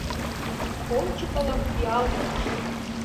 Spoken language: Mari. — Ончыкылык пиал верч!